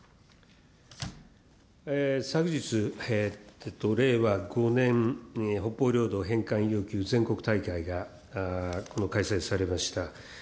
昨日、令和５年北方領土返還要求全国大会が開催されました。